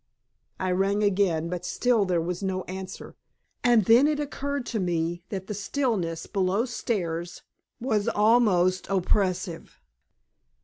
I rang again, but still there was no answer. And then it occurred to me that the stillness below stairs was almost oppressive.